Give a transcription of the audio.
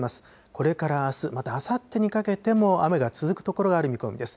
これからあす、またあさってにかけても、雨が続く所がある見込みです。